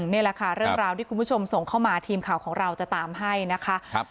นี่แหละค่ะเรื่องราวที่คุณผู้ชมส่งเข้ามาทีมข่าวของเราจะตามให้นะคะ